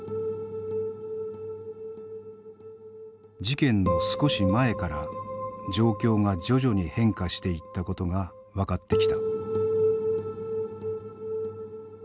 事件の少し前から状況が徐々に変化していったことが分かってきた。